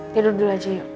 tidur dulu aja yuk